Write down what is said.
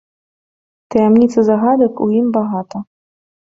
Таямніц і загадак у ім багата.